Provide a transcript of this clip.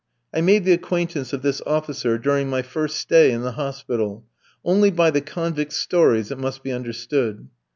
I made the acquaintance of this officer during my first stay in the hospital only by the convicts' stories, it must be understood.